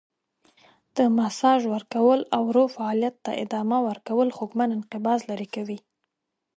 د ماساژ ورکول او ورو فعالیت ته ادامه ورکول خوږمن انقباض لرې کوي.